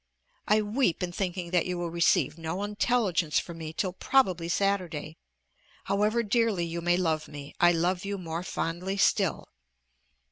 I weep in thinking that you will receive no intelligence from me till probably Saturday. However dearly you may love me, I love you more fondly still.